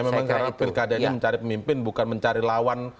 memang karena pilkada ini mencari pemimpin bukan mencari lawan